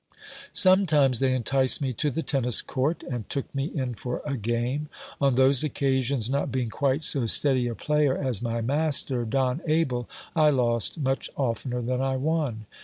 Sometimes they enticed me to the tennis court, and took me in for a game : on those oc casions, not being quite so steady a player as my master, Don Abel, I lost much oftener than I won.